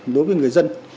đối với người dân